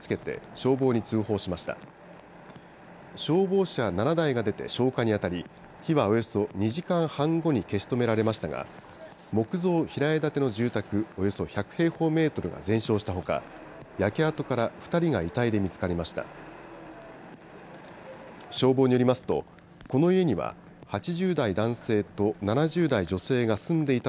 消防車７台が出て消火に当たり、火はおよそ２時間半後に消し止められましたが、木造平屋建ての住宅およそ１００平方メートルが全焼したほか、焼け跡から２人が遺体で見つかりました。